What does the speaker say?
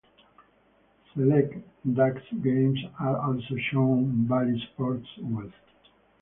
Select Ducks games are also shown on Bally Sports West.